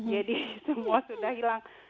jadi semua sudah hilang